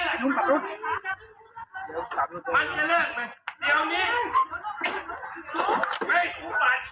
เฮ้ยคุณผ่านพอเลยนะคุณย้อนติดคุก